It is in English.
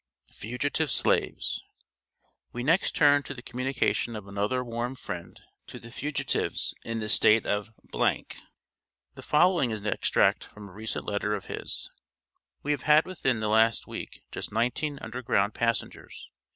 FUGITIVE SLAVES. We next turn to the communication of another warm friend to the fugitives in the State of . The following is an extract from a recent letter of his: "We have had within the last week just nineteen Underground passengers.